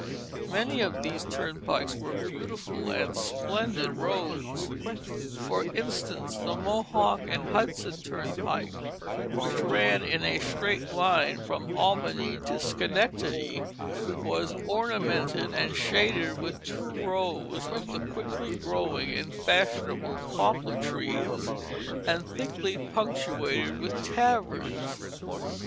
Many of these turnpikes were beautiful and splendid roads; for instance, the "Mohawk and Hudson Turnpike," which ran in a straight line from Albany to Schenectady, was ornamented and shaded with two rows of the quickly growing and fashionable poplar trees and thickly punctuated with taverns.